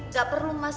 gak perlu mas mas